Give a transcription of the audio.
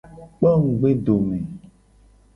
Kpo ngugbedome.